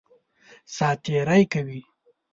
سات تېری کوي.